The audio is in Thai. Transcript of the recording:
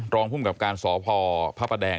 ที่มันก็มีเรื่องที่ดิน